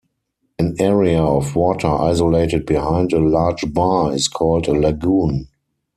An area of water isolated behind a large bar is called a lagoon.